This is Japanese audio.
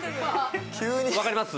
急に。